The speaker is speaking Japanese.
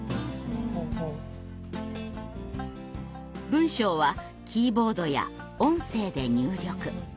文章はキーボードや音声で入力。